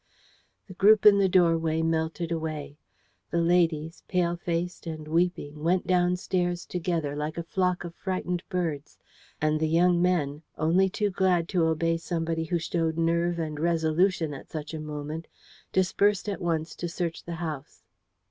The group in the doorway melted away. The ladies, pale faced and weeping, went downstairs together like a flock of frightened birds, and the young men, only too glad to obey somebody who showed nerve and resolution at such a moment, dispersed at once to search the house.